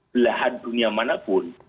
belahan dunia manapun